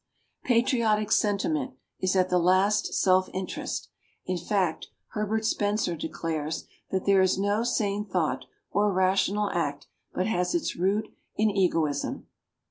Patriotic sentiment is at the last self interest; in fact, Herbert Spencer declares that there is no sane thought or rational act but has its root in egoism.